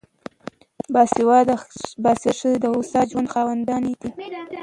باسواده ښځې د هوسا ژوند خاوندانې دي.